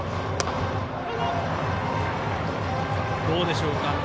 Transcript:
どうでしょうか。